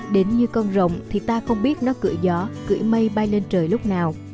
đến như con rồng thì ta không biết nó cử gió cử mây bay lên trời lúc nào